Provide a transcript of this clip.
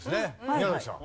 宮崎さん。